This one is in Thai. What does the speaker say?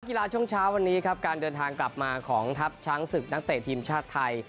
กีฬาช่วงเช้าวันนี้ครับการเดินทางกลับมาของทัพช้างศึกนักเตะทีมชาติไทย